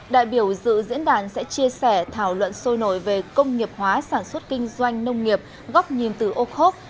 đại biểu dự diễn đàn sẽ chia sẻ thảo luận sôi nổi về công nghiệp hóa sản xuất kinh doanh nông nghiệp góc nhìn từ ô khốc